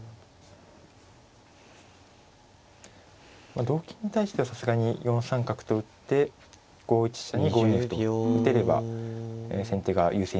まあ同金に対してはさすがに４三角と打って５一飛車に５二歩と打てれば先手が優勢になると思いますけども。